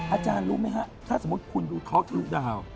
อาจารย์รู้ไหมฮะถ้าสมมุติคุณดูท็อกทะลุดาว